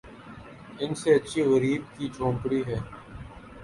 ان سے اچھی غریبِ کی جھونپڑی ہے